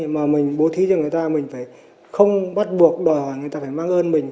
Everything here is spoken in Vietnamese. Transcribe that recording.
mà mình bố trí cho người ta mình phải không bắt buộc đòi hỏi người ta phải mang ơn mình